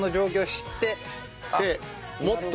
知って。